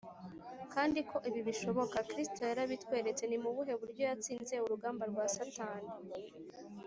Kandi uko ibi bishoboka, Kristo yarabitweretse. Ni mu buhe buryo yatsinze urugamba rwa Satani?